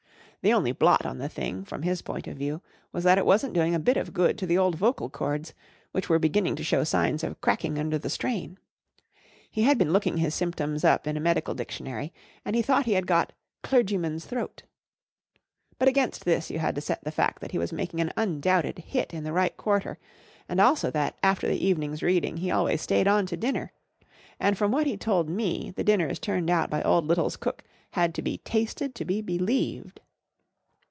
The only blot on the tiling from his point of view was that it wasn't doing a bit of good to the old vocal cords, which were beginning to show signs of cracking under the strain, He had been looking his symptoms up in a medical dictionary, and he thought lie had got a< clergyman's throat/ 1 But against this you had to set the fact that he was making an undoubted hit in the right quarter, and also that after the evening's reading he always stayed on to dinner ; and, from what he told me, the dinners turned out by old Little's cook had to be tasted to be believed.